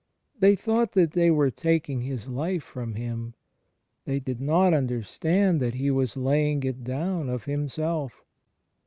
They thought that they were taking His Life from Him ; they did not understand that He was laying it down of Himself.